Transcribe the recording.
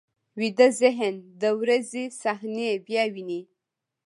ویده ذهن د ورځې صحنې بیا ویني